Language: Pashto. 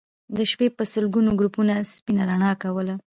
د شپې به سلګونو ګروپونو سپينه رڼا کوله